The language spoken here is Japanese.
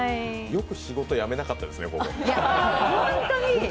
よく仕事辞めなかったですね、ここホントに！